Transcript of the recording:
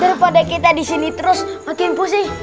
daripada kita disini terus makin pusing